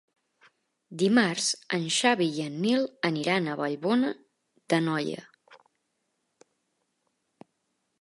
Dimarts en Xavi i en Nil aniran a Vallbona d'Anoia.